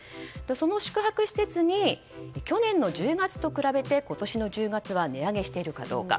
その宿泊施設に去年の１０月と比べて今年の１０月は値上げしているかどうか。